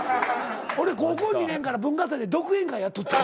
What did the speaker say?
俺高校２年から文化祭で独演会やっとった。